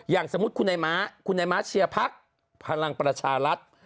อย่างสมมุติคุณนายม้าคุณนายม้าเชียร์พักพลังประชารัฐ